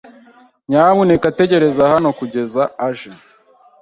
Nyamuneka tegereza hano kugeza aje.